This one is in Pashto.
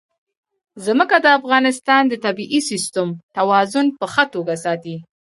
ځمکه د افغانستان د طبعي سیسټم توازن په ښه توګه ساتي.